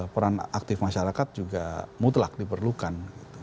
peran aktif masyarakat juga mutlak diperlukan